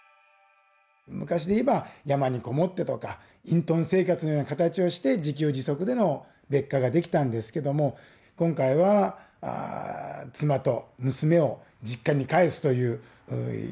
昔で言えば山に籠もってとか隠遁生活のような形をして自給自足での別火ができたんですけども今回は妻と娘を実家に帰すという一種の別居生活をする。